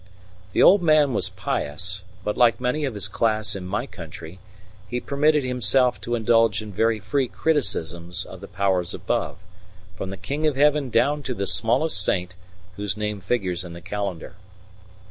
The old man was pious, but like many of his class in my country, he permitted himself to indulge in very free criticisms of the powers above, from the King of Heaven down to the smallest saint whose name figures in the calendar.